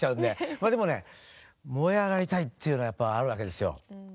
まあでもね燃え上がりたいっていうのはやっぱあるわけですよ。